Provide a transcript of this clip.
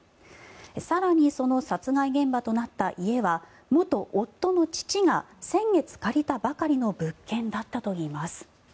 更に、その殺害現場となった家は元夫の父が先月借りたばかりの物件だったといいます。